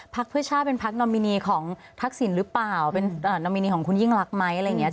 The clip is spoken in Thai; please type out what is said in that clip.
พักเพื่อชาติเป็นพักนอมินีของทักษิณหรือเปล่าเป็นนอมินีของคุณยิ่งรักไหมอะไรอย่างนี้